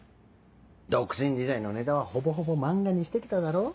独身時代のネタはほぼほぼ漫画にしてきただろ？